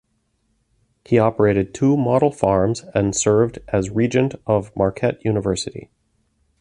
He operated two model farms and served as regent of Marquette University.